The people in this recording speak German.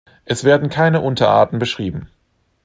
Es werden keine Unterarten beschrieben.